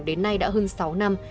đến nay đã hơn sáu năm